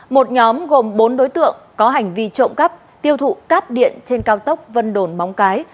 một nhóm gồm bốn đối tượng có hành vi trộm cắp tiêu thụ cáp điện trên cao tốc vân đồn móng cái